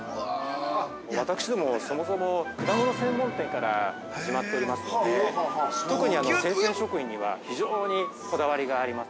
◆私ども、そもそも果物専門店から始まっておりますので、特に生鮮食品には、非常にこだわりがあります。